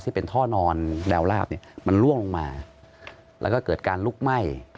ที่เป็นท่อนอนแนวลาบเนี่ยมันล่วงลงมาแล้วก็เกิดการลุกไหม้